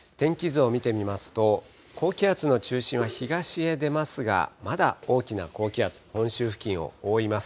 天気図を見てみますと、高気圧の中心は東へ出ますが、まだ大きな高気圧、本州付近を覆います。